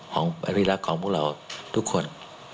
ของอภิรักษ์ของพวกเราทุกคน